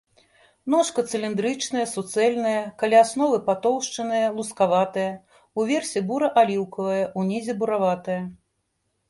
Ножка цыліндрычная, суцэльная, каля асновы патоўшчаная, лускаватая, уверсе бура-аліўкавая, унізе бураватая.